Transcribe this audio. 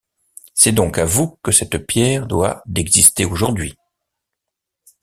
C’est donc à vous que cette pierre doit d’exister aujourd’hui!...